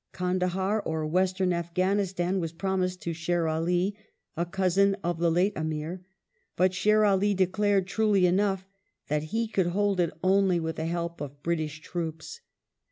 Kandahdr or Western Afghanistan was promised to Sher Ali, a cousin of the late Amir, but Sher Ali declaimed, truly enough, that he could hold it only with the help of British troops.